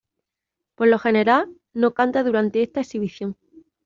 Por lo general, no canta durante esta exhibición.